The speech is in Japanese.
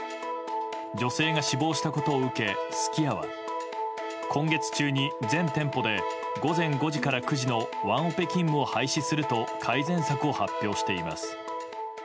女性が死亡したことを受けすき家は今月中に全店舗で午前５時から９時のワンオペ勤務を廃止すると改善策を発表しています。